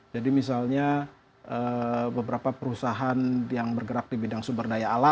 jadi misalnya beberapa perusahaan yang bergerak di bidang sumber daya